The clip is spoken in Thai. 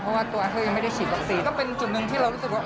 เพราะว่าตัวเธอยังไม่ได้ฉีดวัคซีนก็เป็นจุดหนึ่งที่เรารู้สึกว่า